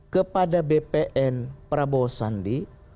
kepada bpn prabowo sandi